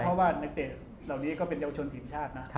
เพราะว่านักเตะเหล่านี้ก็เป็นเยาวชนทีมชาตินะ